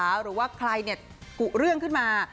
หรือว่าใครกุเรื่องขึ้นมา